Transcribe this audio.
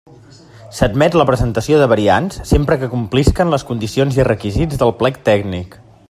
S'admet la presentació de variants sempre que complisquen les condicions i requisits del plec tècnic.